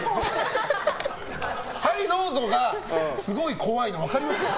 はい、どうぞ！がすごく怖いの分かります？